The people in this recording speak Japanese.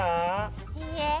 いいえ。